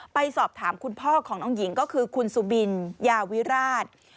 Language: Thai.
ไปสอบถามคุณพ่อของน้องหญิงก็คือคุณสุบินยาวิราช